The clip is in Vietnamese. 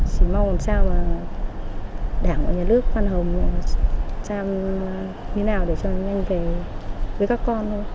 chỉ mong làm sao mà đảng của nhà nước văn hồng làm như thế nào để cho anh về với các con thôi